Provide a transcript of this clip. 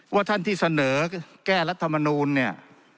ว่าท่านที่เสนอแก้รัฐมนูลเนี่ย